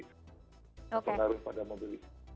untuk menaruh pada mobil